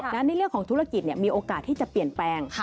ในเรื่องของธุรกิจมีโอกาสที่จะเปลี่ยนแปลง